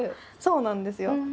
そうなんですよ。